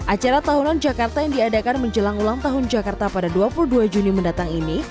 acara tahunan jakarta yang diadakan menjelang ulang tahun jakarta pada dua puluh dua juni mendatang ini